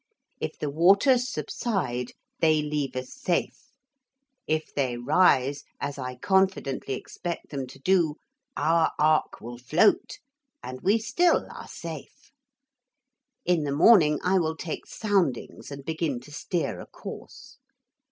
If the waters subside, they leave us safe. If they rise, as I confidently expect them to do, our ark will float, and we still are safe. In the morning I will take soundings and begin to steer a course.